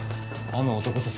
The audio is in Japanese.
あの男さ